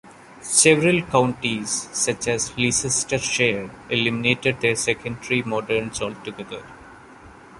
Several counties, such as Leicestershire, eliminated their secondary moderns altogether.